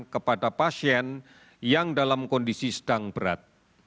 kepada pasien yang dalam kondisi sedang berat